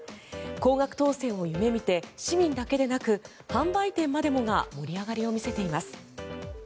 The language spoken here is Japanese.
高額当選を夢見て市民だけでなく販売店までもが盛り上がりを見せています。